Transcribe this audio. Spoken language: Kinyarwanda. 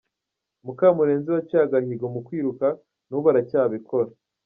Mukamurenzi waciye agahigo mu kwiruka n’ubu aracyabikora